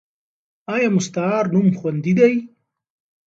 ایا مستعار نوم خوندي دی؟